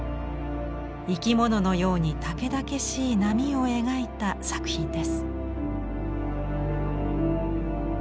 生き物のようにたけだけしい波を描いた作品です。